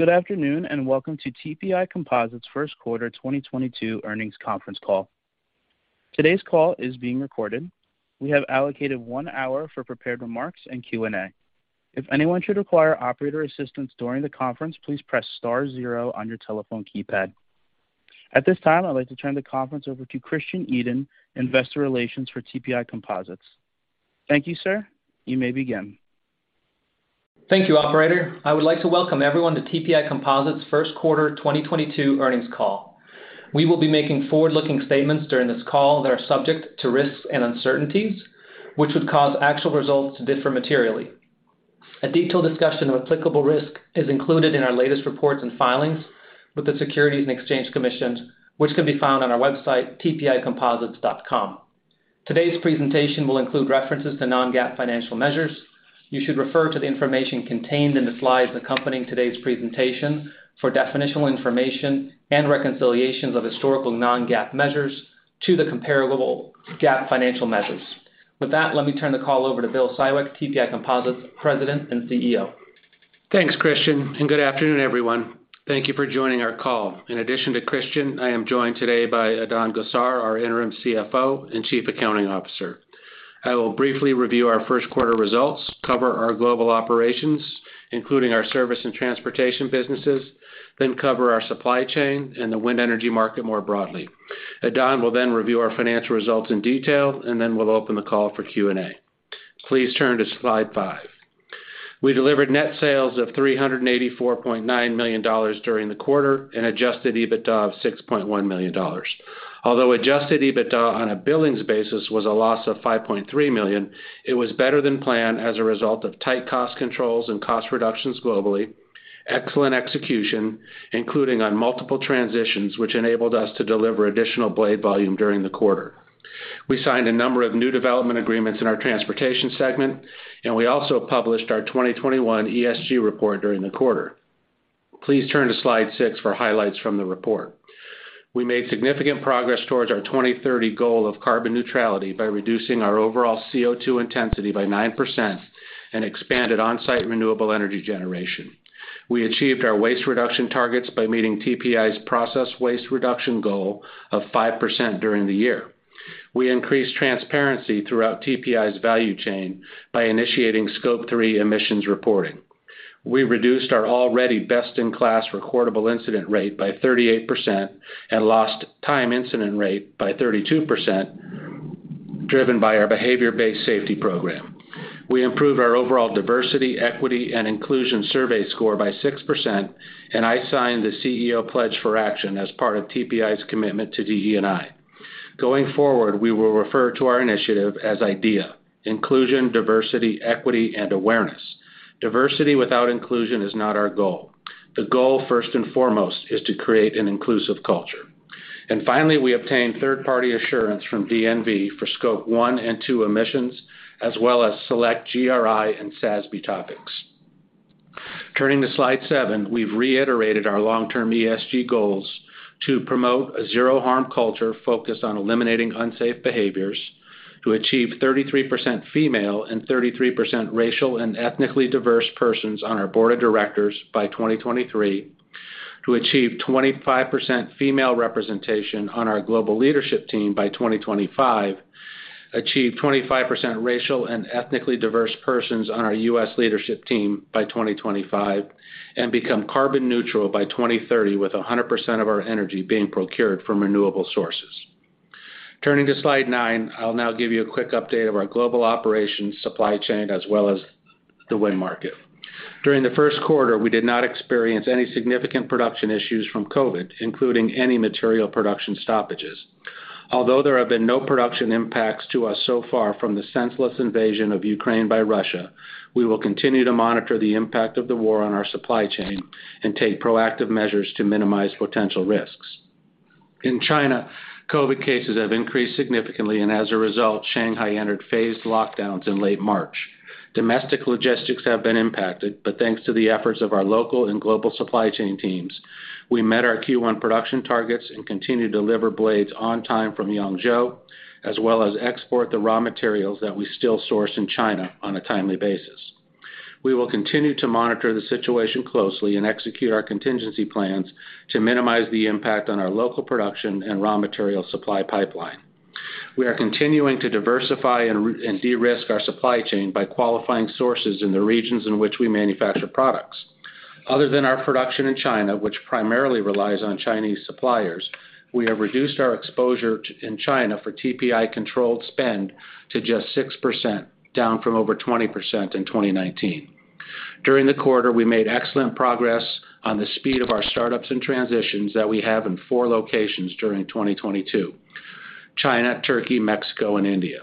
Good afternoon, and welcome to TPI Composites first quarter 2022 earnings conference call. Today's call is being recorded. We have allocated one hour for prepared remarks and Q&A. If anyone should require operator assistance during the conference, please press star zero on your telephone keypad. At this time, I'd like to turn the conference over to Christian Edin, investor relations for TPI Composites. Thank you, sir. You may begin. Thank you, operator. I would like to welcome everyone to TPI Composites first quarter 2022 earnings call. We will be making forward-looking statements during this call that are subject to risks and uncertainties, which would cause actual results to differ materially. A detailed discussion of applicable risk is included in our latest reports and filings with the Securities and Exchange Commission, which can be found on our website, tpicomposites.com. Today's presentation will include references to non-GAAP financial measures. You should refer to the information contained in the slides accompanying today's presentation for definitional information and reconciliations of historical non-GAAP measures to the comparable GAAP financial measures. With that, let me turn the call over to Bill Siwek, TPI Composites President and CEO. Thanks, Christian, and good afternoon, everyone. Thank you for joining our call. In addition to Christian, I am joined today by Adan Gossar, our Interim CFO and Chief Accounting Officer. I will briefly review our first quarter results, cover our global operations, including our service and transportation businesses, then cover our supply chain and the wind energy market more broadly. Adan will then review our financial results in detail, and then we'll open the call for Q&A. Please turn to slide five. We delivered net sales of $384.9 million during the quarter and adjusted EBITDA of $6.1 million. Although adjusted EBITDA on a billings basis was a loss of $5.3 million, it was better than planned as a result of tight cost controls and cost reductions globally, excellent execution, including on multiple transitions, which enabled us to deliver additional blade volume during the quarter. We signed a number of new development agreements in our transportation segment, and we also published our 2021 ESG report during the quarter. Please turn to slide six for highlights from the report. We made significant progress towards our 2030 goal of carbon neutrality by reducing our overall CO2 intensity by 9% and expanded on-site renewable energy generation. We achieved our waste reduction targets by meeting TPI's process waste reduction goal of 5% during the year. We increased transparency throughout TPI's value chain by initiating Scope 3 emissions reporting. We reduced our already best-in-class recordable incident rate by 38% and lost time incident rate by 32%, driven by our behavior-based safety program. We improved our overall diversity, equity, and inclusion survey score by 6%, and I signed the CEO Pledge for Action as part of TPI's commitment to DE&I. Going forward, we will refer to our initiative as IDEAA, inclusion, diversity, equity, and awareness. Diversity without inclusion is not our goal. The goal, first and foremost, is to create an inclusive culture. Finally, we obtained third-party assurance from DNV for Scope 1 and 2 emissions, as well as select GRI and SASB topics. Turning to slide seven, we've reiterated our long-term ESG goals to promote a zero harm culture focused on eliminating unsafe behaviors, to achieve 33% female and 33% racial and ethnically diverse persons on our board of directors by 2023, to achieve 25% female representation on our global leadership team by 2025, achieve 25% racial and ethnically diverse persons on our U.S. leadership team by 2025, and become carbon neutral by 2030, with 100% of our energy being procured from renewable sources. Turning to slide nine, I'll now give you a quick update of our global operations supply chain as well as the wind market. During the first quarter, we did not experience any significant production issues from COVID, including any material production stoppages. Although there have been no production impacts to us so far from the senseless invasion of Ukraine by Russia, we will continue to monitor the impact of the war on our supply chain and take proactive measures to minimize potential risks. In China, COVID cases have increased significantly, and as a result, Shanghai entered phased lockdowns in late March. Domestic logistics have been impacted, but thanks to the efforts of our local and global supply chain teams, we met our Q1 production targets and continue to deliver blades on time from Yangzhou, as well as export the raw materials that we still source in China on a timely basis. We will continue to monitor the situation closely and execute our contingency plans to minimize the impact on our local production and raw material supply pipeline. We are continuing to diversify and de-risk our supply chain by qualifying sources in the regions in which we manufacture products. Other than our production in China, which primarily relies on Chinese suppliers, we have reduced our exposure in China for TPI-controlled spend to just 6%, down from over 20% in 2019. During the quarter, we made excellent progress on the speed of our startups and transitions that we have in four locations during 2022: China, Turkey, Mexico, and India.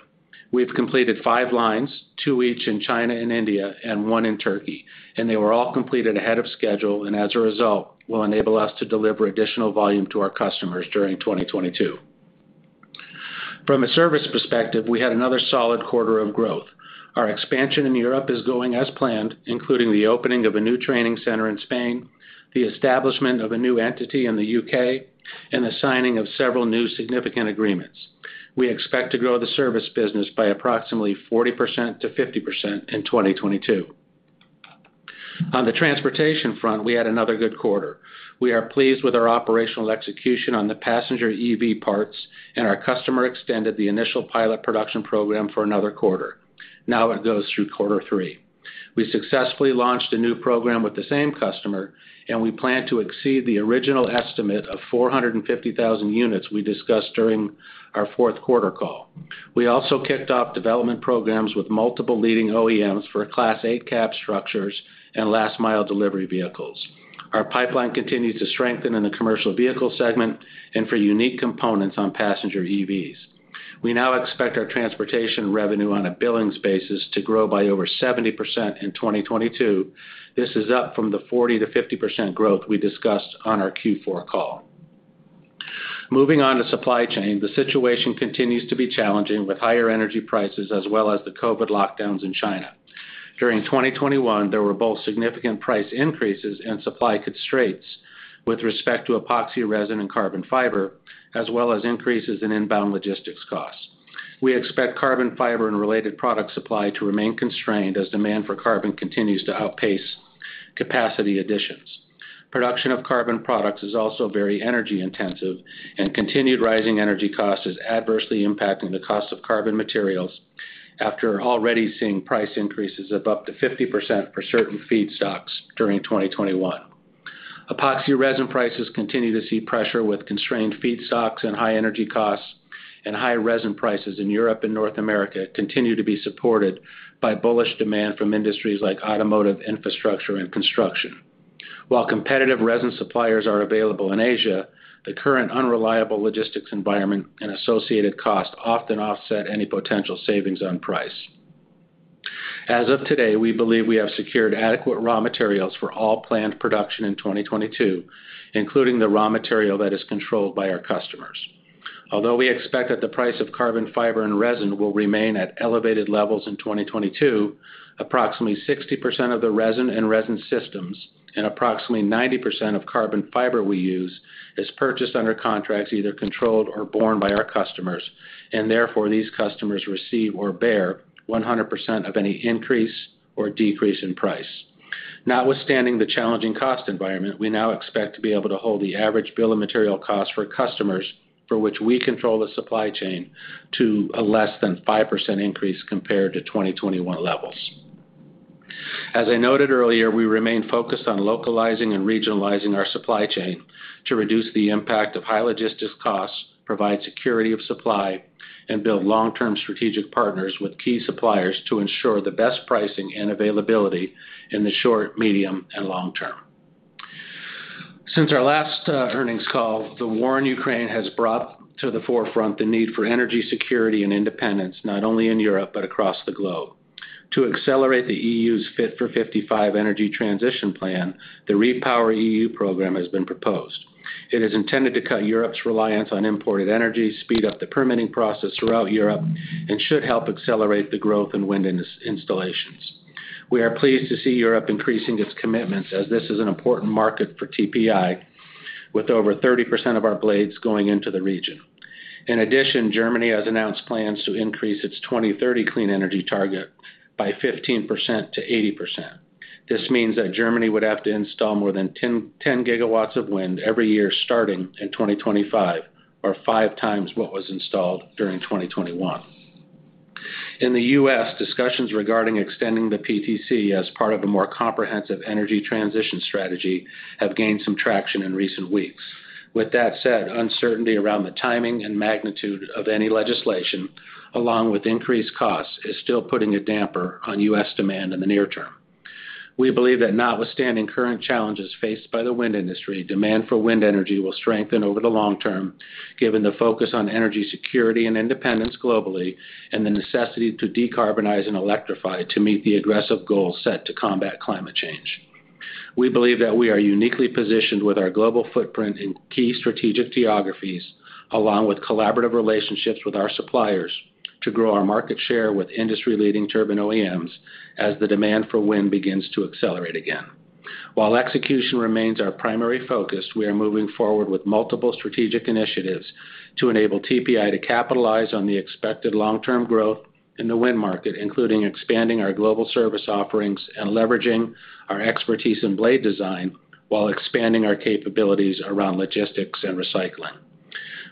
We've completed five lines, two each in China and India, and one in Turkey, and they were all completed ahead of schedule, and as a result, will enable us to deliver additional volume to our customers during 2022. From a service perspective, we had another solid quarter of growth. Our expansion in Europe is going as planned, including the opening of a new training center in Spain, the establishment of a new entity in the U.K., and the signing of several new significant agreements. We expect to grow the service business by approximately 40%-50% in 2022. On the transportation front, we had another good quarter. We are pleased with our operational execution on the passenger EV parts, and our customer extended the initial pilot production program for another quarter. Now it goes through quarter three. We successfully launched a new program with the same customer, and we plan to exceed the original estimate of 450,000 units we discussed during our fourth quarter call. We also kicked off development programs with multiple leading OEMs for Class 8 cab structures and last mile delivery vehicles. Our pipeline continues to strengthen in the commercial vehicle segment and for unique components on passenger EVs. We now expect our transportation revenue on a billings basis to grow by over 70% in 2022. This is up from the 40%-50% growth we discussed on our Q4 call. Moving on to supply chain. The situation continues to be challenging with higher energy prices as well as the COVID lockdowns in China. During 2021, there were both significant price increases and supply constraints with respect to epoxy resin and carbon fiber, as well as increases in inbound logistics costs. We expect carbon fiber and related product supply to remain constrained as demand for carbon continues to outpace capacity additions. Production of carbon products is also very energy intensive and continued rising energy costs is adversely impacting the cost of carbon materials after already seeing price increases of up to 50% for certain feedstocks during 2021. Epoxy resin prices continue to see pressure with constrained feedstocks and high energy costs. High resin prices in Europe and North America continue to be supported by bullish demand from industries like automotive, infrastructure and construction. While competitive resin suppliers are available in Asia, the current unreliable logistics environment and associated costs often offset any potential savings on price. As of today, we believe we have secured adequate raw materials for all planned production in 2022, including the raw material that is controlled by our customers. Although we expect that the price of carbon fiber and resin will remain at elevated levels in 2022, approximately 60% of the resin and resin systems and approximately 90% of carbon fiber we use is purchased under contracts either controlled or borne by our customers, and therefore these customers receive or bear 100% of any increase or decrease in price. Not withstanding the challenging cost environment, we now expect to be able to hold the average bill of material costs for customers for which we control the supply chain to a less than 5% increase compared to 2021 levels. As I noted earlier, we remain focused on localizing and regionalizing our supply chain to reduce the impact of high logistics costs, provide security of supply, and build long-term strategic partners with key suppliers to ensure the best pricing and availability in the short, medium and long term. Since our last earnings call, the war in Ukraine has brought to the forefront the need for energy security and independence, not only in Europe, but across the globe. To accelerate the EU's Fit for 55 energy transition plan, the REPowerEU program has been proposed. It is intended to cut Europe's reliance on imported energy, speed up the permitting process throughout Europe and should help accelerate the growth in wind installations. We are pleased to see Europe increasing its commitments as this is an important market for TPI, with over 30% of our blades going into the region. In addition, Germany has announced plans to increase its 2030 clean energy target by 15%-80%. This means that Germany would have to install more than 10 GW of wind every year starting in 2025, or 5x what was installed during 2021. In the U.S., discussions regarding extending the PTC as part of a more comprehensive energy transition strategy have gained some traction in recent weeks. With that said, uncertainty around the timing and magnitude of any legislation, along with increased costs, is still putting a damper on U.S. demand in the near term. We believe that notwithstanding current challenges faced by the wind industry, demand for wind energy will strengthen over the long term, given the focus on energy security and independence globally, and the necessity to decarbonize and electrify to meet the aggressive goals set to combat climate change. We believe that we are uniquely positioned with our global footprint in key strategic geographies, along with collaborative relationships with our suppliers to grow our market share with industry-leading turbine OEMs as the demand for wind begins to accelerate again. While execution remains our primary focus, we are moving forward with multiple strategic initiatives to enable TPI to capitalize on the expected long-term growth in the wind market, including expanding our global service offerings and leveraging our expertise in blade design while expanding our capabilities around logistics and recycling.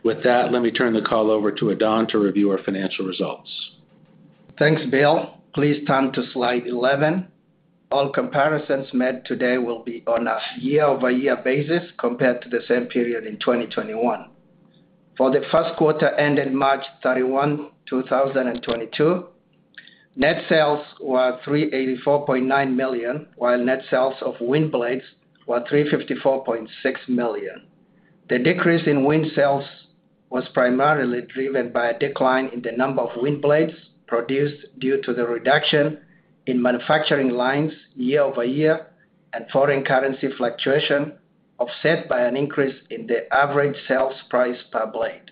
With that, let me turn the call over to Adan to review our financial results. Thanks, Bill. Please turn to slide 11. All comparisons made today will be on a year-over-year basis compared to the same period in 2021. For the first quarter ended March 31, 2022, net sales were $384.9 million, while net sales of wind blades were $354.6 million. The decrease in wind sales was primarily driven by a decline in the number of wind blades produced due to the reduction in manufacturing lines year over year and foreign currency fluctuation, offset by an increase in the average sales price per blade.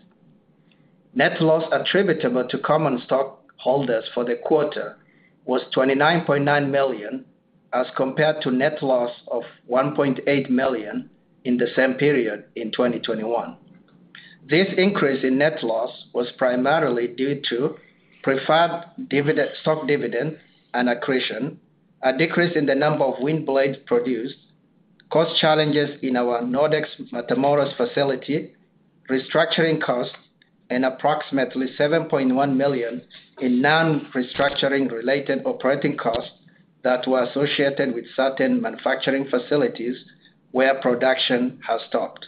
Net loss attributable to common stockholders for the quarter was $29.9 million. As compared to net loss of $1.8 million in the same period in 2021. This increase in net loss was primarily due to preferred dividend, stock dividend and accretion, a decrease in the number of wind blades produced, cost challenges in our Nordex Matamoros facility, restructuring costs, and approximately $7.1 million in non-restructuring related operating costs that were associated with certain manufacturing facilities where production has stopped.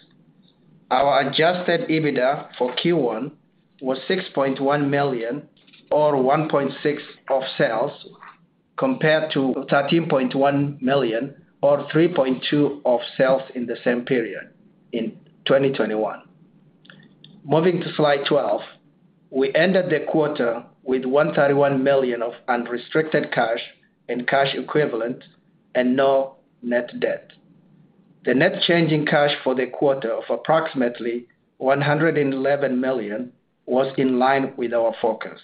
Our adjusted EBITDA for Q1 was $6.1 million, or 1.6% of sales, compared to $13.1 million or 3.2% of sales in the same period in 2021. Moving to slide 12. We ended the quarter with $131 million of unrestricted cash and cash equivalent and no net debt. The net change in cash for the quarter of approximately $111 million was in line with our forecast.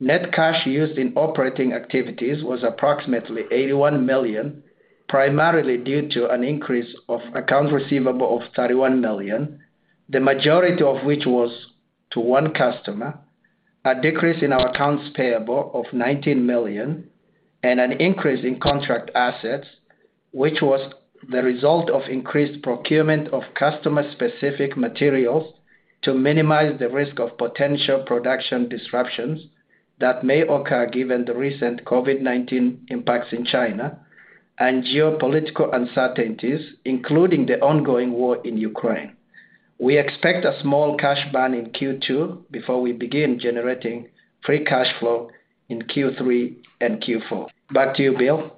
Net cash used in operating activities was approximately $81 million, primarily due to an increase of accounts receivable of $31 million, the majority of which was to one customer, a decrease in our accounts payable of $19 million, and an increase in contract assets, which was the result of increased procurement of customer-specific materials to minimize the risk of potential production disruptions that may occur given the recent COVID-19 impacts in China and geopolitical uncertainties, including the ongoing war in Ukraine. We expect a small cash burn in Q2 before we begin generating free cash flow in Q3 and Q4. Back to you, Bill.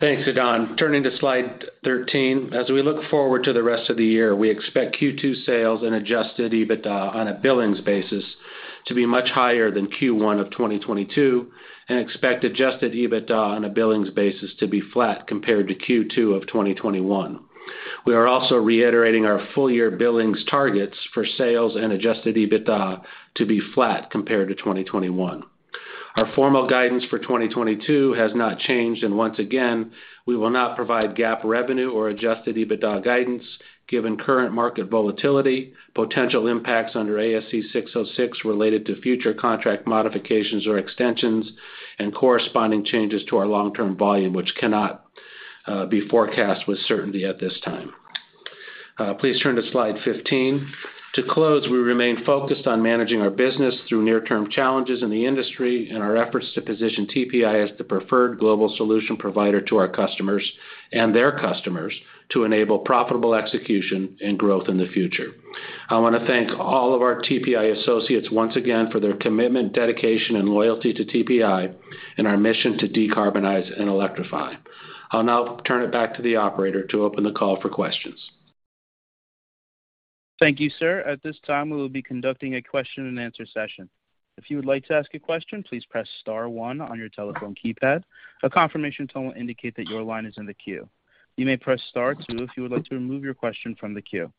Thanks, Adan. Turning to slide 13. As we look forward to the rest of the year, we expect Q2 sales and adjusted EBITDA on a billings basis to be much higher than Q1 of 2022 and expect adjusted EBITDA on a billings basis to be flat compared to Q2 of 2021. We are also reiterating our full year billings targets for sales and adjusted EBITDA to be flat compared to 2021. Our formal guidance for 2022 has not changed, and once again, we will not provide GAAP revenue or adjusted EBITDA guidance given current market volatility, potential impacts under ASC 606 related to future contract modifications or extensions, and corresponding changes to our long-term volume, which cannot be forecast with certainty at this time. Please turn to slide 15. To close, we remain focused on managing our business through near-term challenges in the industry and our efforts to position TPI as the preferred global solution provider to our customers and their customers to enable profitable execution and growth in the future. I wanna thank all of our TPI associates once again for their commitment, dedication, and loyalty to TPI in our mission to decarbonize and electrify. I'll now turn it back to the operator to open the call for questions. Thank you, sir. At this time, we will be conducting a question and answer session. If you would like to ask a question, please press star one on your telephone keypad. A confirmation tone will indicate that your line is in the queue. You may press star two if you would like to remove your question from the queue.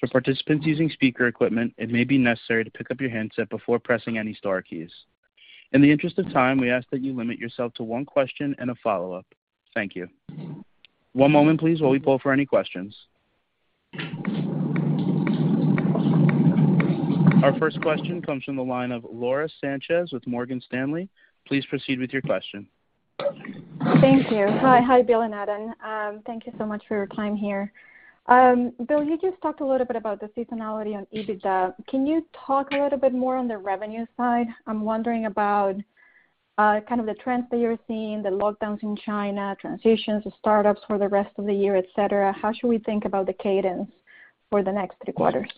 For participants using speaker equipment, it may be necessary to pick up your handset before pressing any star keys. In the interest of time, we ask that you limit yourself to one question and a follow-up. Thank you. One moment, please, while we poll for any questions. Our first question comes from the line of Laura with Morgan Stanley. Please proceed with your question. Thank you. Hi. Hi, Bill and Adan. Thank you so much for your time here. Bill, you just talked a little bit about the seasonality on EBITDA. Can you talk a little bit more on the revenue side? I'm wondering about, kind of the trends that you're seeing, the lockdowns in China, transitions to startups for the rest of the year, et cetera. How should we think about the cadence for the next three quarters?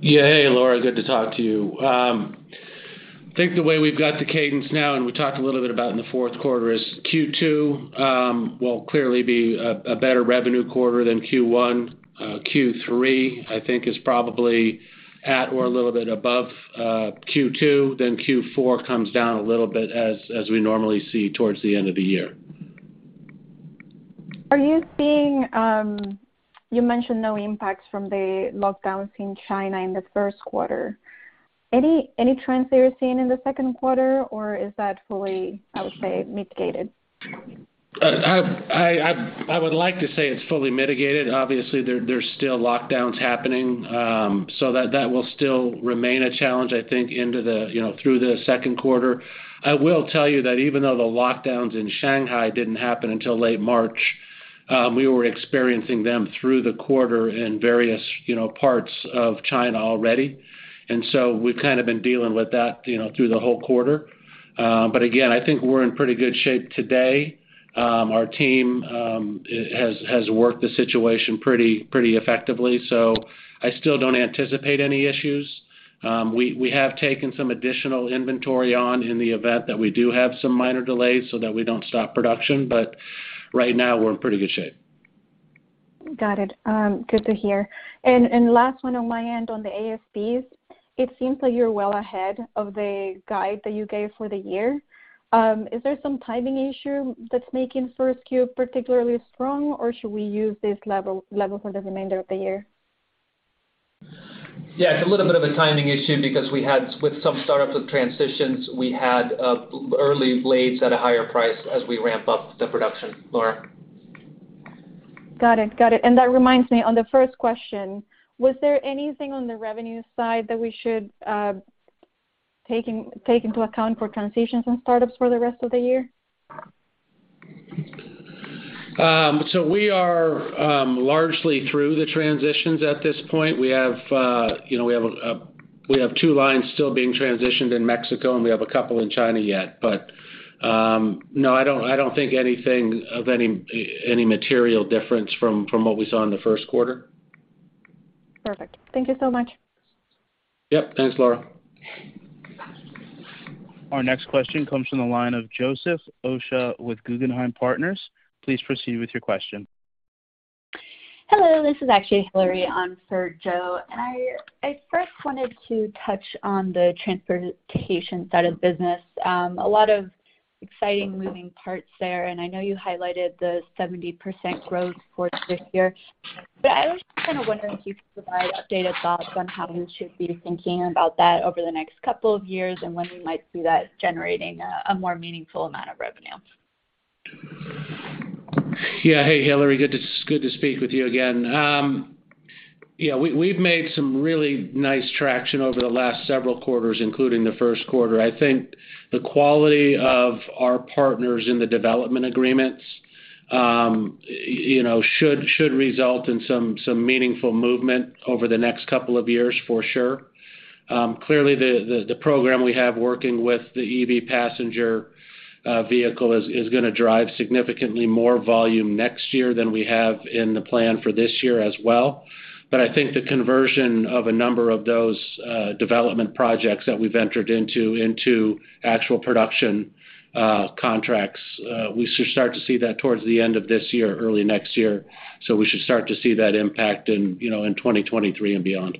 Yeah. Hey, Laura, good to talk to you. I think the way we've got the cadence now, and we talked a little bit about in the fourth quarter, is Q2 will clearly be a better revenue quarter than Q1. Q3, I think is probably at or a little bit above Q2, then Q4 comes down a little bit as we normally see towards the end of the year. Are you seeing? You mentioned no impacts from the lockdowns in China in the first quarter. Any trends that you're seeing in the second quarter, or is that fully, I would say, mitigated? I would like to say it's fully mitigated. Obviously, there's still lockdowns happening, so that will still remain a challenge, I think, into, you know, through the second quarter. I will tell you that even though the lockdowns in Shanghai didn't happen until late March, we were experiencing them through the quarter in various, you know, parts of China already. We've kind of been dealing with that, you know, through the whole quarter. Again, I think we're in pretty good shape today. Our team has worked the situation pretty effectively, so I still don't anticipate any issues. We have taken some additional inventory on in the event that we do have some minor delays so that we don't stop production, but right now we're in pretty good shape. Got it. Good to hear. Last one on my end on the ASPs. It seems like you're well ahead of the guide that you gave for the year. Is there some timing issue that's making first Q particularly strong, or should we use this level for the remainder of the year? Yeah, it's a little bit of a timing issue because we had some startups with transitions, we had early blades at a higher price as we ramp up the production. Laura? Got it. That reminds me on the first question, was there anything on the revenue side that we should take into account for transitions and startups for the rest of the year? We are largely through the transitions at this point. We have, you know, two lines still being transitioned in Mexico, and we have a couple in China yet. No, I don't think anything of any material difference from what we saw in the first quarter. Perfect. Thank you so much. Yep. Thanks, Laura Sánchez. Our next question comes from the line of Joseph Osha with Guggenheim Partners. Please proceed with your question. Hello, this is actually Hilary on for Joseph. I first wanted to touch on the transportation side of business. A lot of exciting moving parts there, and I know you highlighted the 70% growth for this year. I was kind of wondering if you could provide updated thoughts on how we should be thinking about that over the next couple of years and when we might see that generating a more meaningful amount of revenue. Yeah. Hey, Hilary, good to speak with you again. We've made some really nice traction over the last several quarters, including the first quarter. I think the quality of our partners in the development agreements should result in some meaningful movement over the next couple of years for sure. Clearly, the program we have working with the EV passenger vehicle is gonna drive significantly more volume next year than we have in the plan for this year as well. I think the conversion of a number of those development projects that we've entered into into actual production contracts we should start to see that towards the end of this year or early next year. We should start to see that impact in 2023 and beyond.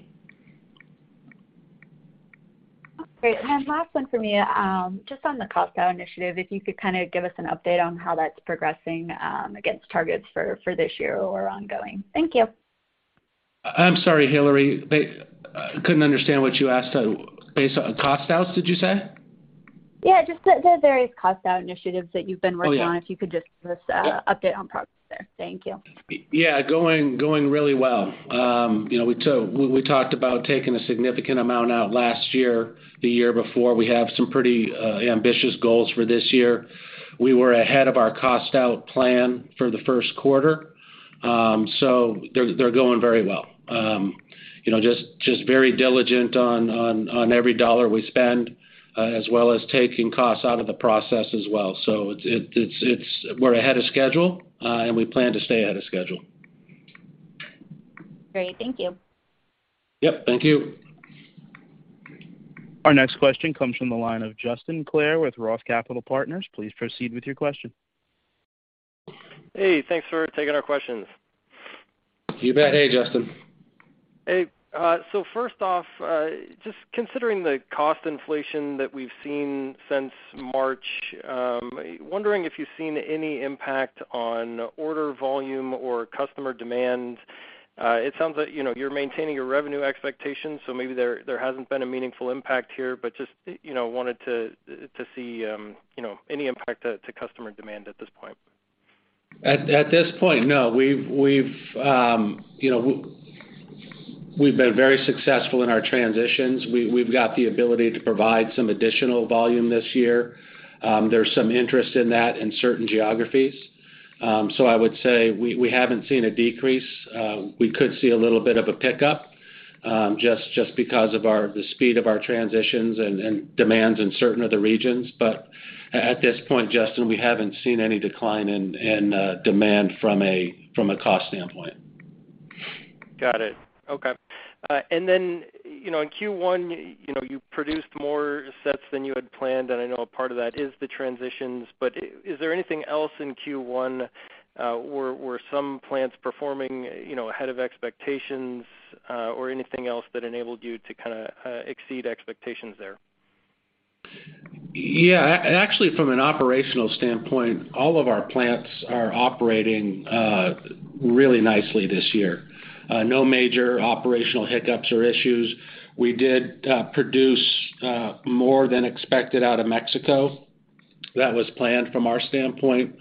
Great. Last one for me. Just on the cost out initiative, if you could kinda give us an update on how that's progressing, against targets for this year or ongoing. Thank you. I'm sorry, Hilary. They couldn't understand what you asked. Based on cost outs, did you say? Yeah, just the various cost out initiatives that you've been working on. Oh, yeah.... If you could just give us, update on progress there. Thank you. Yeah, going really well. You know, we talked about taking a significant amount out last year, the year before. We have some pretty ambitious goals for this year. We were ahead of our cost out plan for the first quarter. They're going very well. You know, just very diligent on every dollar we spend, as well as taking costs out of the process as well. We're ahead of schedule, and we plan to stay ahead of schedule. Great. Thank you. Yep. Thank you. Our next question comes from the line of Justin Clare with ROTH Capital Partners. Please proceed with your question. Hey, thanks for taking our questions. You bet. Hey, Justin. Hey. So first off, just considering the cost inflation that we've seen since March, wondering if you've seen any impact on order volume or customer demand. It sounds like, you know, you're maintaining your revenue expectations, so maybe there hasn't been a meaningful impact here. Just, you know, wanted to see, you know, any impact to customer demand at this point. At this point, no. We've been very successful in our transitions. We've got the ability to provide some additional volume this year. There's some interest in that in certain geographies. I would say we haven't seen a decrease. We could see a little bit of a pickup just because of the speed of our transitions and demands in certain other regions. At this point, Justin, we haven't seen any decline in demand from a cost standpoint. Got it. Okay. You know, in Q1, you know, you produced more sets than you had planned, and I know a part of that is the transitions. Is there anything else in Q1, were some plants performing, you know, ahead of expectations, or anything else that enabled you to kinda exceed expectations there? Yeah. Actually, from an operational standpoint, all of our plants are operating really nicely this year. No major operational hiccups or issues. We did produce more than expected out of Mexico. That was planned from our standpoint,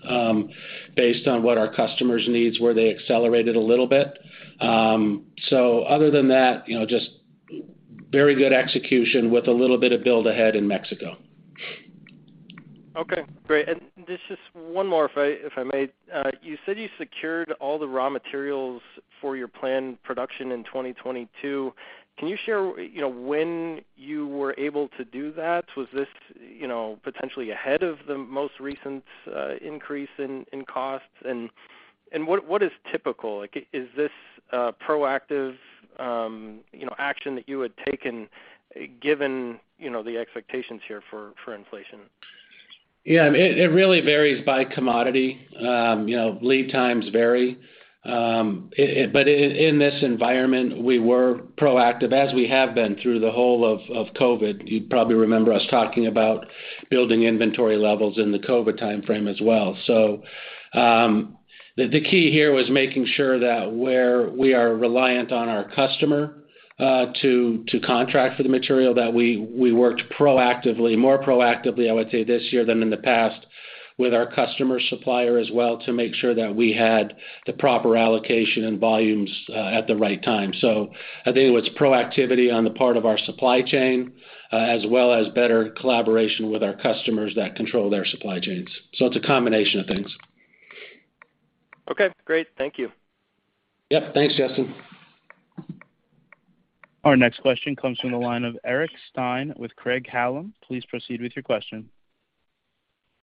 based on what our customers' needs were. They accelerated a little bit. Other than that, you know, just very good execution with a little bit of build ahead in Mexico. Okay, great. Just one more if I may. You said you secured all the raw materials for your planned production in 2022. Can you share, you know, when you were able to do that? Was this, you know, potentially ahead of the most recent increase in costs? What is typical? Like, is this a proactive, you know, action that you had taken given, you know, the expectations here for inflation? Yeah. It really varies by commodity. You know, lead times vary. But in this environment, we were proactive, as we have been through the whole of COVID. You probably remember us talking about building inventory levels in the COVID timeframe as well. The key here was making sure that where we are reliant on our customer to contract for the material that we worked more proactively, I would say, this year than in the past with our customer supplier as well to make sure that we had the proper allocation and volumes at the right time. I think it was proactivity on the part of our supply chain as well as better collaboration with our customers that control their supply chains. It's a combination of things. Okay, great. Thank you. Yep. Thanks, Justin. Our next question comes from the line of Eric Stine with Craig-Hallum. Please proceed with your question.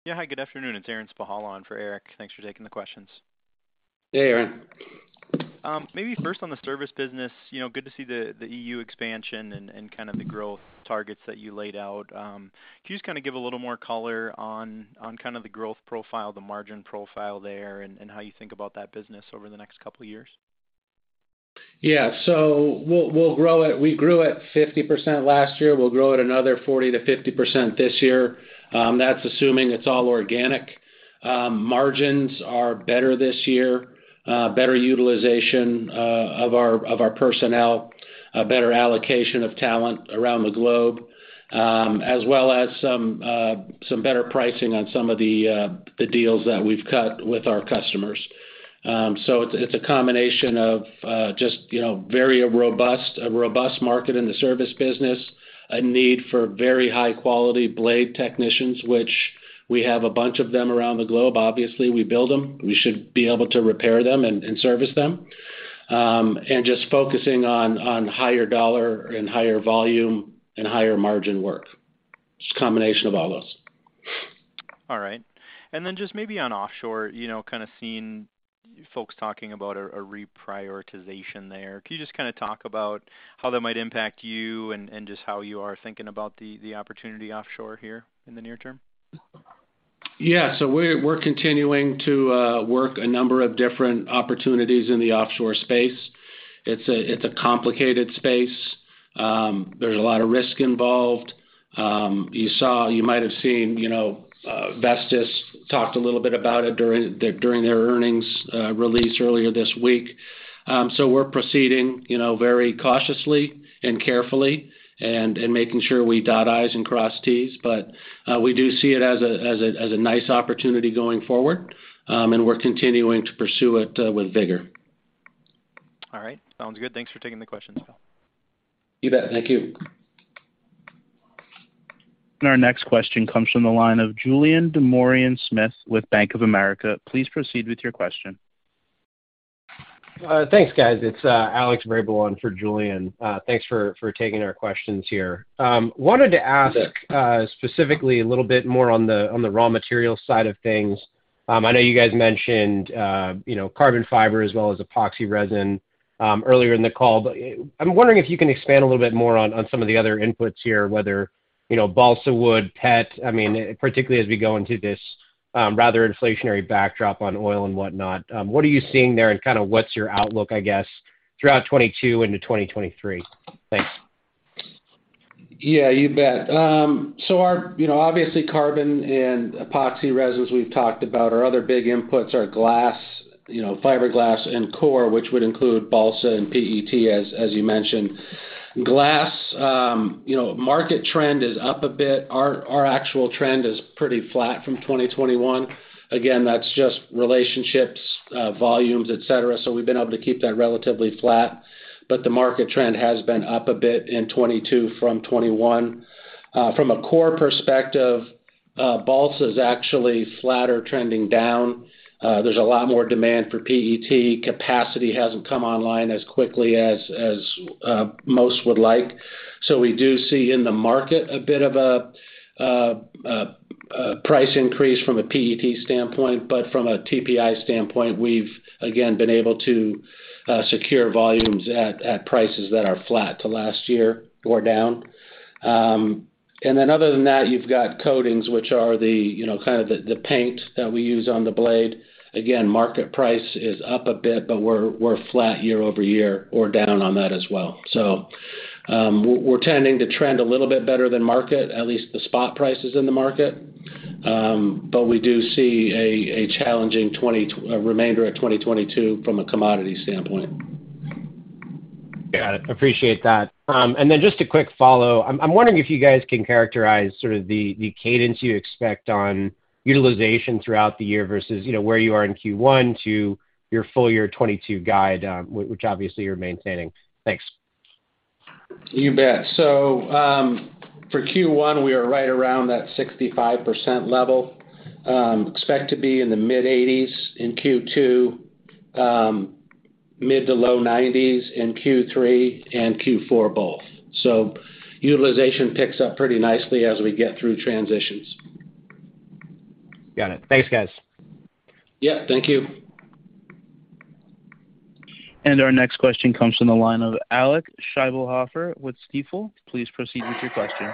Hi, good afternoon. It's Aaron Spychala on for Eric. Thanks for taking the questions. Hey, Aaron. Maybe first on the service business, you know, good to see the EU expansion and kind of the growth targets that you laid out. Can you just kind of give a little more color on kind of the growth profile, the margin profile there, and how you think about that business over the next couple of years? Yeah. We'll grow it. We grew at 50% last year. We'll grow at another 40%-50% this year. That's assuming it's all organic. Margins are better this year, better utilization of our personnel, a better allocation of talent around the globe, as well as some better pricing on some of the deals that we've cut with our customers. It's a combination of just you know very robust a robust market in the service business, a need for very high-quality blade technicians, which we have a bunch of them around the globe. Obviously, we build them. We should be able to repair them and service them. Just focusing on higher dollar and higher volume and higher margin work. Just combination of all those. All right. Just maybe on offshore, you know, kind of seeing folks talking about a reprioritization there. Can you just kind of talk about how that might impact you and just how you are thinking about the opportunity offshore here in the near term? We're continuing to work a number of different opportunities in the offshore space. It's a complicated space. There's a lot of risk involved. You might have seen, you know, Vestas talked a little bit about it during their earnings release earlier this week. We're proceeding, you know, very cautiously and carefully and making sure we dot i's and cross t's. We do see it as a nice opportunity going forward, and we're continuing to pursue it with vigor. All right. Sounds good. Thanks for taking the questions. You bet. Thank you. Our next question comes from the line of Julien Dumoulin-Smith with Bank of America. Please proceed with your question. Thanks, guys. It's Alex Vrabel on for Julien. Thanks for taking our questions here. Wanted to ask. Sure. Specifically a little bit more on the raw material side of things. I know you guys mentioned you know carbon fiber as well as epoxy resin earlier in the call, but I'm wondering if you can expand a little bit more on some of the other inputs here, whether you know balsa wood, PET. I mean, particularly as we go into this rather inflationary backdrop on oil and whatnot. What are you seeing there, and kind of what's your outlook, I guess, throughout 2022 into 2023? Thanks. Yeah, you bet. Our, you know, obviously carbon and epoxy resins we've talked about. Our other big inputs are glass, you know, fiberglass and core, which would include balsa and PET as you mentioned. Glass, you know, market trend is up a bit. Our actual trend is pretty flat from 2021. Again, that's just relationships, volumes, et cetera. We've been able to keep that relatively flat, but the market trend has been up a bit in 2022 from 2021. From a core perspective, balsa is actually flatter trending down. There's a lot more demand for PET. Capacity hasn't come online as quickly as most would like. We do see in the market a bit of a price increase from a PET standpoint. From a TPI standpoint, we've again been able to secure volumes at prices that are flat to last year or down. Other than that, you've got coatings, which are the you know kind of the paint that we use on the blade. Again, market price is up a bit, but we're flat year over year or down on that as well. We're tending to trend a little bit better than market, at least the spot prices in the market. We do see a challenging remainder of 2022 from a commodity standpoint. Got it. Appreciate that. Just a quick follow. I'm wondering if you guys can characterize sort of the cadence you expect on utilization throughout the year versus, you know, where you are in Q1 to your full year 2022 guide, which obviously you're maintaining. Thanks. You bet. For Q1, we are right around that 65% level. Expect to be in the mid-80s% in Q2. Mid- to low 90s% in Q3 and Q4 both. Utilization picks up pretty nicely as we get through transitions. Got it. Thanks, guys. Yeah, thank you. Our next question comes from the line of Alec Scheibelhoffer with Stifel. Please proceed with your question.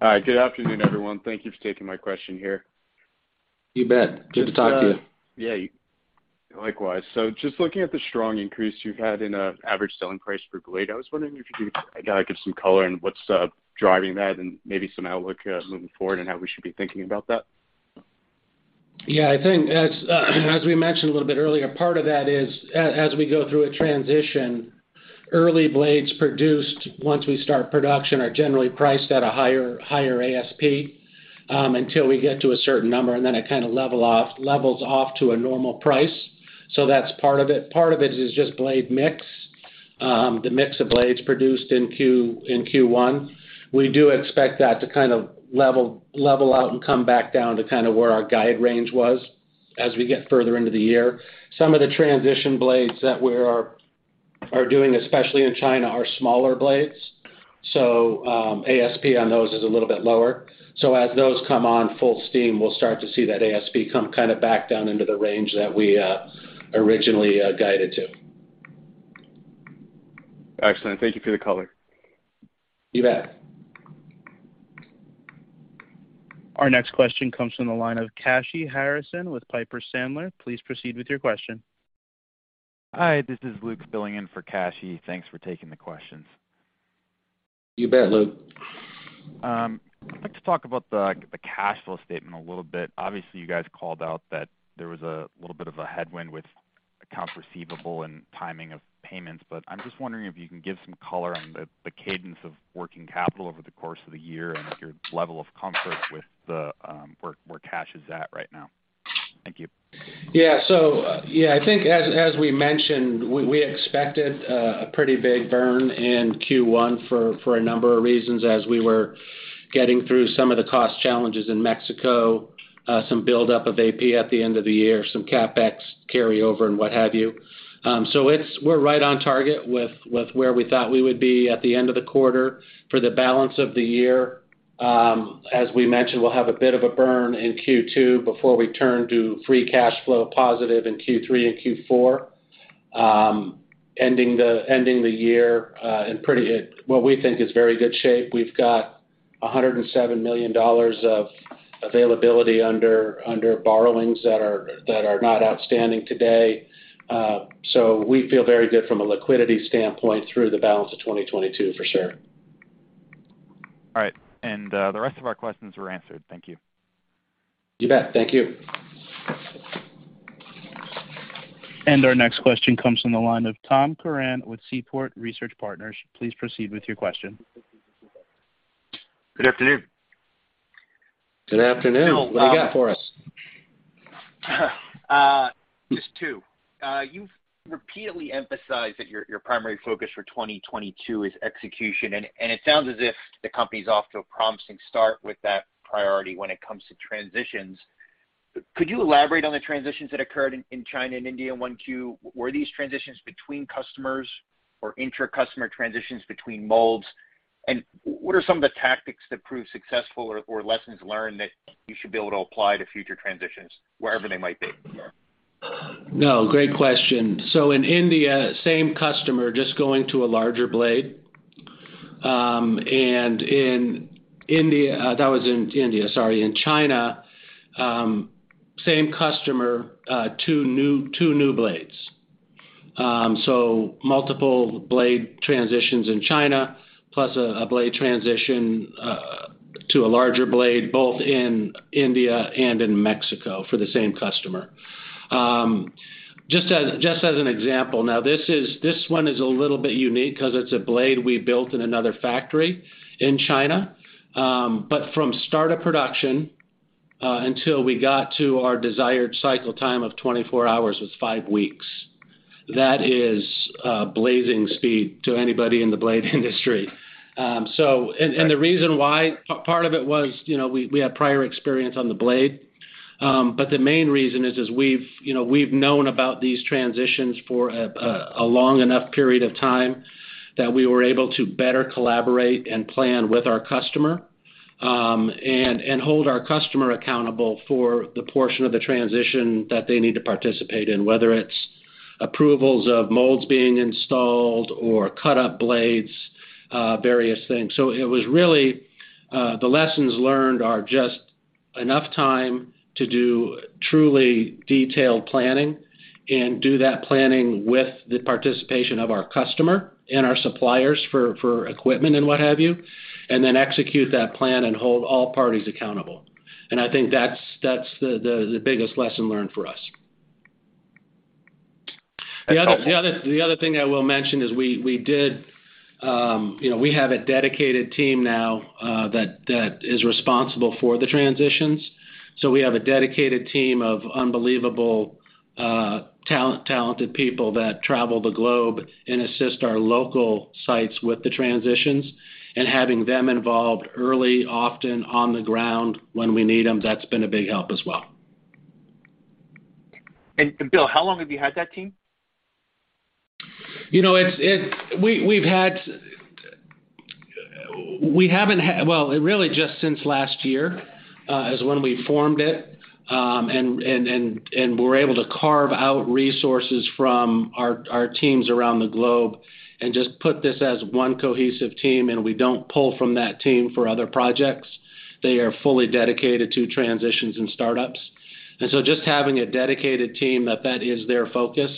Hi. Good afternoon, everyone. Thank you for taking my question here. You bet. Good to talk to you. Yeah. Likewise. Just looking at the strong increase you've had in average selling price per blade, I was wondering if you could give some color on what's driving that and maybe some outlook moving forward and how we should be thinking about that. Yeah, I think as we mentioned a little bit earlier, part of that is as we go through a transition, early blades produced once we start production are generally priced at a higher ASP until we get to a certain number, and then it levels off to a normal price. So that's part of it. Part of it is just blade mix. The mix of blades produced in Q1. We do expect that to kind of level out and come back down to kinda where our guide range was as we get further into the year. Some of the transition blades that we are doing, especially in China, are smaller blades. So ASP on those is a little bit lower. As those come on full steam, we'll start to see that ASP come kinda back down into the range that we originally guided to. Excellent. Thank you for the color. You bet. Our next question comes from the line of Kashy Harrison with Piper Sandler. Please proceed with your question. Hi, this is Luke filling in for Kashy. Thanks for taking the questions. You bet, Luke. I'd like to talk about the cash flow statement a little bit. Obviously, you guys called out that there was a little bit of a headwind with accounts receivable and timing of payments. I'm just wondering if you can give some color on the cadence of working capital over the course of the year and your level of comfort with where cash is at right now. Thank you. I think as we mentioned, we expected a pretty big burn in Q1 for a number of reasons as we were getting through some of the cost challenges in Mexico, some buildup of AP at the end of the year, some CapEx carryover and what have you. We're right on target with where we thought we would be at the end of the quarter. For the balance of the year, as we mentioned, we'll have a bit of a burn in Q2 before we turn to free cash flow positive in Q3 and Q4. Ending the year in what we think is very good shape. We've got $107 million of availability under borrowings that are not outstanding today. We feel very good from a liquidity standpoint through the balance of 2022 for sure. All right. The rest of our questions were answered. Thank you. You bet. Thank you. Our next question comes from the line of Tom Curran with Seaport Research Partners. Please proceed with your question. Good afternoon. Good afternoon. So, um- What do you got for us? Just two. You've repeatedly emphasized that your primary focus for 2022 is execution, and it sounds as if the company is off to a promising start with that priority when it comes to transitions. Could you elaborate on the transitions that occurred in China and India in 1Q? Were these transitions between customers or inter-customer transitions between molds? And what are some of the tactics that proved successful or lessons learned that you should be able to apply to future transitions wherever they might be? No, great question. In India, same customer, just going to a larger blade. That was in India. Sorry. In China, same customer, two new blades. Multiple blade transitions in China, plus a blade transition to a larger blade, both in India and in Mexico for the same customer. Just as an example. This one is a little bit unique 'cause it's a blade we built in another factory in China. From start of production until we got to our desired cycle time of 24 hours was five weeks. That is blazing speed to anybody in the blade industry. The reason why, part of it was, you know, we had prior experience on the blade. The main reason is we've, you know, we've known about these transitions for a long enough period of time that we were able to better collaborate and plan with our customer, and hold our customer accountable for the portion of the transition that they need to participate in, whether it's approvals of molds being installed or cut up blades, various things. It was really the lessons learned are just enough time to do truly detailed planning and do that planning with the participation of our customer and our suppliers for equipment and what have you, and then execute that plan and hold all parties accountable. I think that's the biggest lesson learned for us. The other thing I will mention is, you know, we have a dedicated team now that is responsible for the transitions. We have a dedicated team of unbelievably talented people that travel the globe and assist our local sites with the transitions. Having them involved early, often on the ground when we need them, that's been a big help as well. Bill, how long have you had that team? You know, well, really just since last year is when we formed it and we're able to carve out resources from our teams around the globe and just put this as one cohesive team, and we don't pull from that team for other projects. They are fully dedicated to transitions and startups. Just having a dedicated team that is their focus.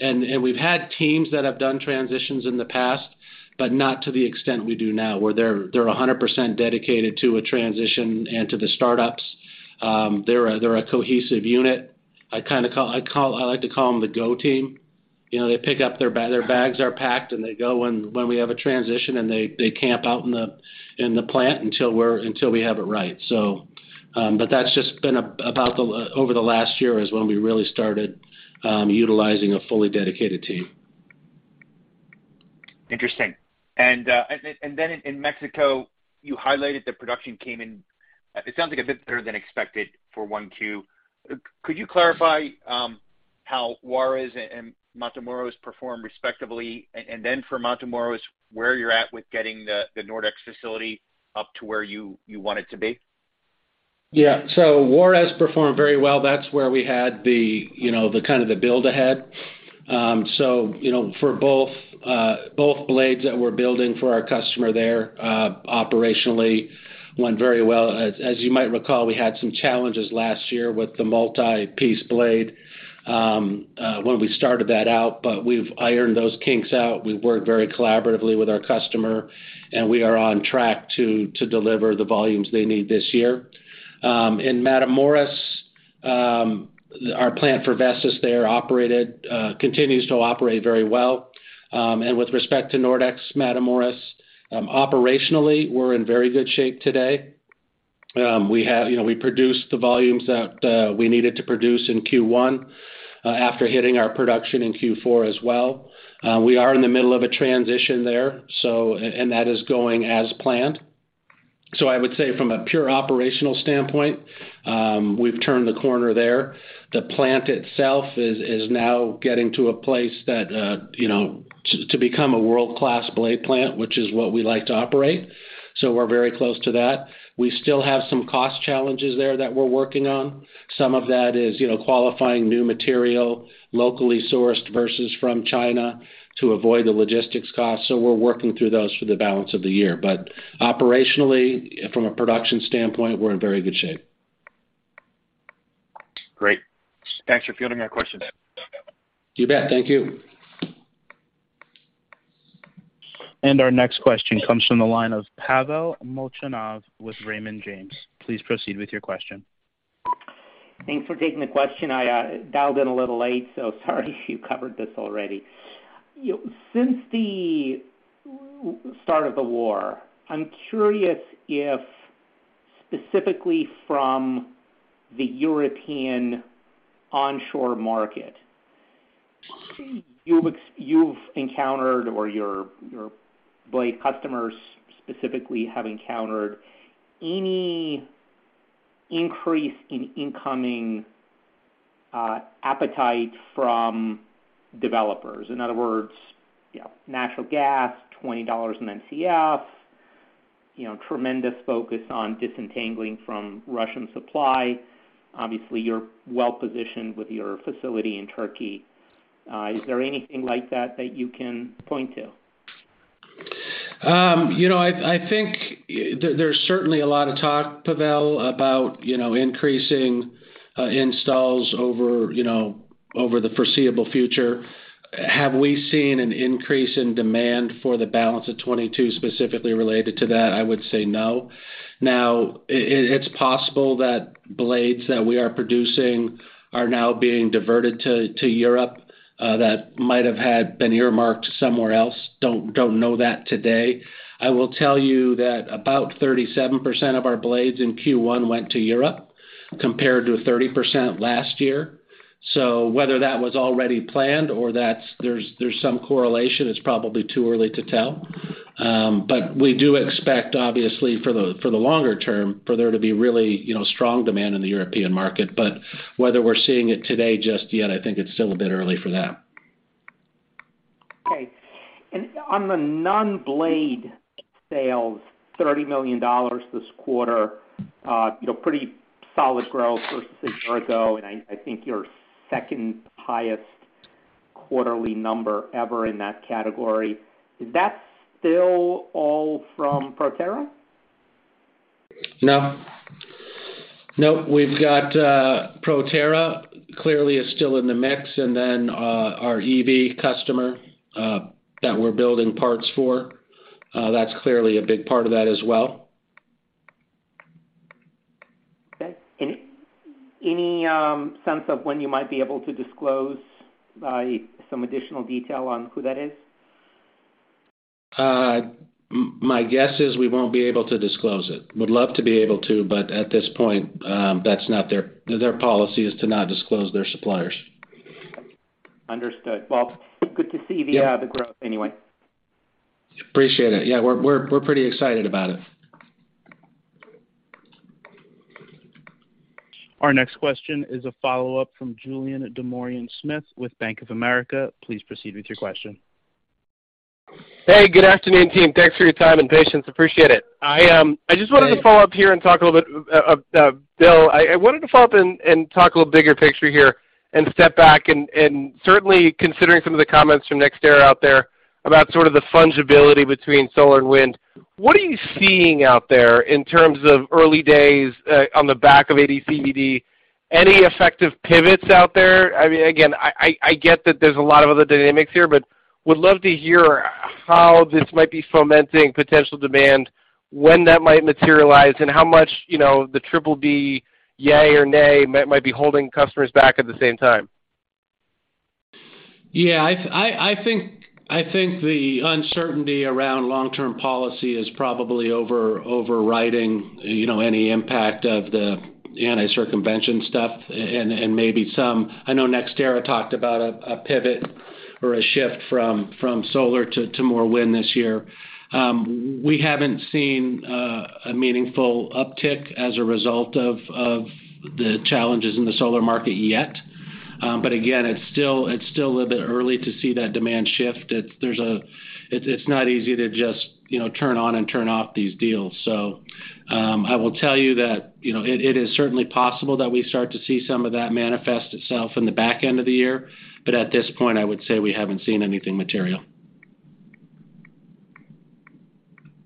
We've had teams that have done transitions in the past, but not to the extent we do now, where they're 100% dedicated to a transition and to the startups. They're a cohesive unit. I like to call them the go team. You know, they pick up their bags are packed, and they go when we have a transition, and they camp out in the plant until we have it right. That's just been over the last year is when we really started utilizing a fully dedicated team. Interesting. In Mexico, you highlighted that production came in, it sounds like a bit better than expected for 1Q. Could you clarify how Juárez and Matamoros performed respectively? For Matamoros, where you're at with getting the Nordex facility up to where you want it to be? Yeah. Juarez performed very well. That's where we had the, you know, the kind of the build ahead. For both blades that we're building for our customer there, operationally went very well. As you might recall, we had some challenges last year with the multi-piece blade, when we started that out, but we've ironed those kinks out. We've worked very collaboratively with our customer, and we are on track to deliver the volumes they need this year. In Matamoros, our plant for Vestas there continues to operate very well. With respect to Nordex Matamoros, operationally, we're in very good shape today. You know, we produced the volumes that we needed to produce in Q1, after hitting our production in Q4 as well. We are in the middle of a transition there, and that is going as planned. I would say from a pure operational standpoint, we've turned the corner there. The plant itself is now getting to a place that, you know, to become a world-class blade plant, which is what we like to operate, so we're very close to that. We still have some cost challenges there that we're working on. Some of that is, you know, qualifying new material, locally sourced versus from China to avoid the logistics costs. We're working through those for the balance of the year. Operationally, from a production standpoint, we're in very good shape. Great. Thanks for fielding my question. You bet. Thank you. Our next question comes from the line of Pavel Molchanov with Raymond James. Please proceed with your question. Thanks for taking the question. I dialed in a little late, so sorry if you covered this already. Since the start of the war, I'm curious if specifically from the European onshore market, you've encountered or your blade customers specifically have encountered any increase in incoming appetite from developers. In other words, you know, natural gas, $20/Mcf, you know, tremendous focus on disentangling from Russian supply. Obviously, you're well-positioned with your facility in Turkey. Is there anything like that that you can point to? You know, I think there's certainly a lot of talk, Pavel, about, you know, increasing installs over, you know, over the foreseeable future. Have we seen an increase in demand for the balance of 2022 specifically related to that? I would say no. Now it's possible that blades that we are producing are now being diverted to Europe that might have had been earmarked somewhere else. Don't know that today. I will tell you that about 37% of our blades in Q1 went to Europe compared to 30% last year. So whether that was already planned or there's some correlation, it's probably too early to tell. We do expect, obviously for the longer term, for there to be really, you know, strong demand in the European market. whether we're seeing it today just yet, I think it's still a bit early for that. Okay. On the non-blade sales, $30 million this quarter, you know, pretty solid growth versus a year ago, and I think your second highest quarterly number ever in that category. Is that still all from Proterra? No. We've got, Proterra clearly is still in the mix, and then, our EV customer, that we're building parts for, that's clearly a big part of that as well. Okay. Any sense of when you might be able to disclose some additional detail on who that is? My guess is we won't be able to disclose it. Would love to be able to, but at this point, their policy is to not disclose their suppliers. Understood. Yeah. the growth anyway. Appreciate it. Yeah, we're pretty excited about it. Our next question is a follow-up from Julien Dumoulin-Smith with Bank of America. Please proceed with your question. Hey, good afternoon, team. Thanks for your time and patience. Appreciate it. Hey. I just wanted to follow up here and talk a little bit, Bill. I wanted to follow up and talk a little bigger picture here and step back and certainly considering some of the comments from NextEra out there about sort of the fungibility between solar and wind. What are you seeing out there in terms of early days on the back of AD/CVD? Any effective pivots out there? I mean, again, I get that there's a lot of other dynamics here, but would love to hear how this might be fomenting potential demand. When that might materialize and how much, you know, the BBB yay or nay might be holding customers back at the same time. Yeah. I think the uncertainty around long-term policy is probably overriding, you know, any impact of the anti-circumvention stuff and maybe some. I know NextEra talked about a pivot or a shift from solar to more wind this year. We haven't seen a meaningful uptick as a result of the challenges in the solar market yet. Again, it's still a little bit early to see that demand shift. It's not easy to just, you know, turn on and turn off these deals. I will tell you that, you know, it is certainly possible that we start to see some of that manifest itself in the back end of the year. At this point, I would say we haven't seen anything material.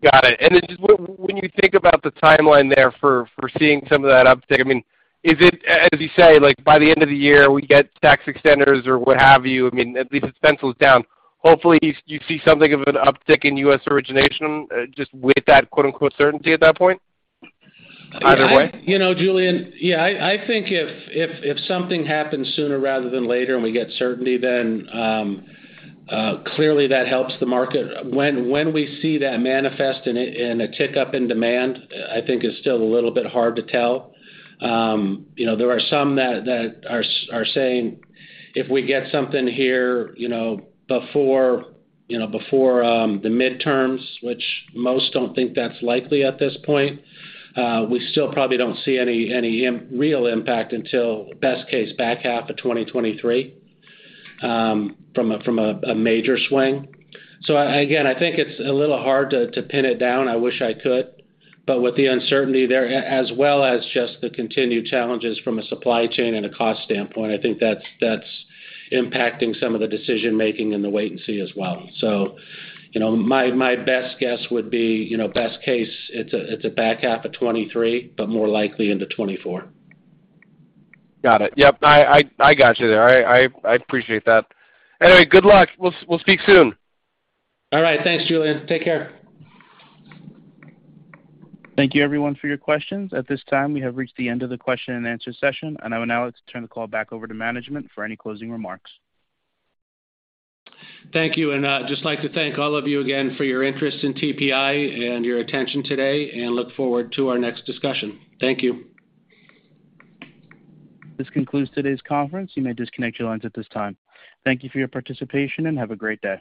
Got it. Then just when you think about the timeline there for seeing some of that uptick, I mean, is it, as you say, like, by the end of the year, we get tax extenders or what have you, I mean, at least it pencils down. Hopefully you see something of an uptick in U.S. origination just with that, quote-unquote, "certainty" at that point? Either way. You know, Julien, yeah, I think if something happens sooner rather than later and we get certainty, then clearly that helps the market. When we see that manifest in a tick up in demand, I think is still a little bit hard to tell. You know, there are some that are saying if we get something here, you know, before the midterms, which most don't think that's likely at this point, we still probably don't see any real impact until best case back half of 2023, from a major swing. Again, I think it's a little hard to pin it down. I wish I could. With the uncertainty there, as well as just the continued challenges from a supply chain and a cost standpoint, I think that's impacting some of the decision-making and the wait and see as well. You know, my best guess would be, you know, best case, it's a back half of 2023, but more likely into 2024. Got it. Yep. I got you there. I appreciate that. Anyway, good luck. We'll speak soon. All right. Thanks, Julien Dumoulin-Smith. Take care. Thank you everyone for your questions. At this time, we have reached the end of the question and answer session. I will now turn the call back over to management for any closing remarks. Thank you. I'd just like to thank all of you again for your interest in TPI and your attention today, and look forward to our next discussion. Thank you. This concludes today's conference. You may disconnect your lines at this time. Thank you for your participation, and have a great day.